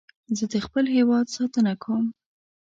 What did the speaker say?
زه د خپل هېواد ساتنه کوم